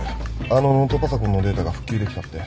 あのノートパソコンのデータが復旧できたって。